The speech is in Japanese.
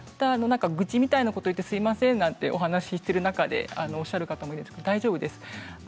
愚痴みたいなこと言ってすみません、とお話ししてる中でおっしゃる方もいるんですが、大丈夫です。